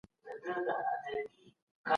په څېړنو کي له بېلابېلو علومو ګټه اخیستل کیږي.